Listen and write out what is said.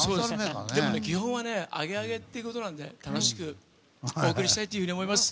でも基本はアゲアゲということなので楽しくお送りしたいと思います。